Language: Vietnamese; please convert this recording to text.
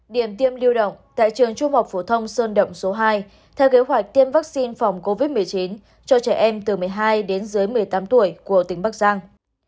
điểm tiêm lưu động tại trường trung học phổ thông sơn động số hai theo kế hoạch tiêm vaccine phòng covid một mươi chín cho trẻ em từ một mươi hai đến dưới một mươi tám tuổi của tỉnh bắc giang